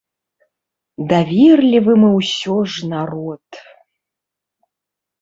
Даверлівы мы ўсё ж народ!